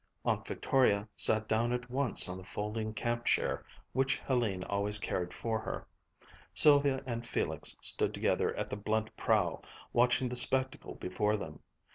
Aunt Victoria sat down at once on the folding camp chair which Hélène always carried for her. Sylvia and Felix stood together at the blunt prow, watching the spectacle before them.